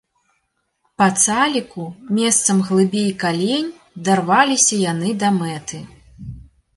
Па цаліку, месцам глыбей калень, дарваліся яны да мэты.